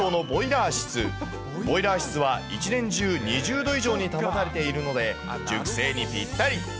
ボイラー室は一年中２０度以上に保たれているので、熟成にぴったり。